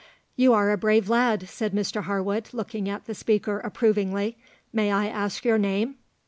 "You are a brave lad," said Mr Harwood, looking at the speaker approvingly. "May I ask your name?"